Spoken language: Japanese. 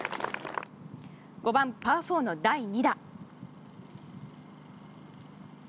５番、パー４の第２打。